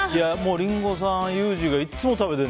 リンゴさん、ユージがいつも食べてる。